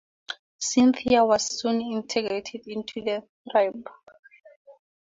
Cynthia was soon integrated into the tribe.